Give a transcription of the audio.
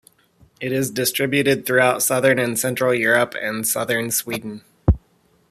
It is distributed throughout southern and central Europe, and southern Sweden.